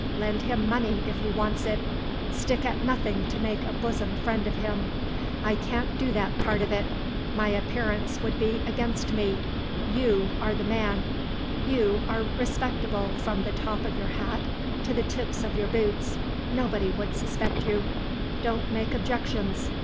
Lend him money if he wants it stick at nothing to make a bosom friend of him. I can't do that part of it; my appearance would be against me. You are the man you are respectable from the top of your hat to the tips of your boots; nobody would suspect You. Don't make objections!